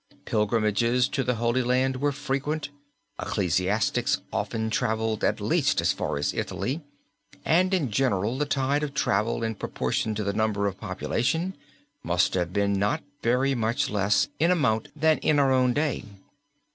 Pilgrimages to the Holy Land were frequent, ecclesiastics often traveled at least as far as Italy, and in general the tide of travel in proportion to the number of population must have been not very much less in amount than in our own day.